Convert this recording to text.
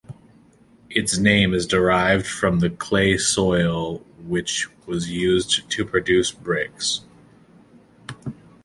Its name is derived from the clay soil, which was used to produce bricks.